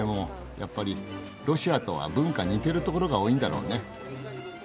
やっぱりロシアとは文化似てるところが多いんだろうね。